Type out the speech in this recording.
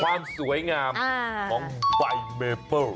ความสวยงามของใบเมเปิ้ล